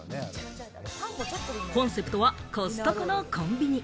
コンセプトは、コストコのコンビニ。